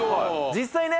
実際ね